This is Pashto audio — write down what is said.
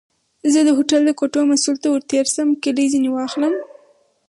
زه د هوټل د کوټو مسؤل ته ورتېر شم او کیلۍ ورنه واخلم.